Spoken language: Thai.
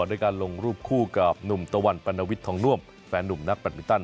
ด้วยการลงรูปคู่กับหนุ่มตะวันปรณวิทย์ทองน่วมแฟนหนุ่มนักแบตมินตัน